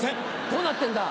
どうなってんだ。